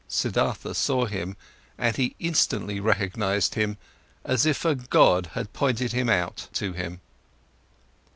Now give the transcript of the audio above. Siddhartha saw him, and he instantly recognised him, as if a god had pointed him out to him.